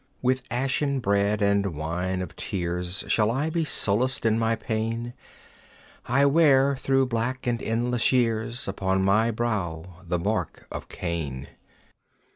With ashen bread and wine of tears Shall I be solaced in my pain. I wear through black and endless years Upon my brow the mark of Cain.